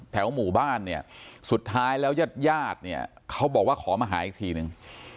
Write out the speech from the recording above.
แถวหมู่บ้านเนี่ยสุดท้ายแล้วยาดเนี่ยเขาบอกว่าขอมาหาอีกทีนึง